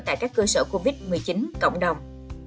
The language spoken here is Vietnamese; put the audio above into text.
tại các cơ sở covid một mươi chín cộng đồng